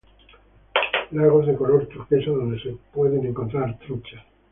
Lagos de color turquesa donde se pueden encontrar truchas.